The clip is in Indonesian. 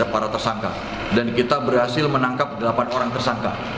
para tersangka dan kita berhasil menangkap delapan orang tersangka